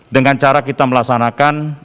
dengan cara kita melaksanakan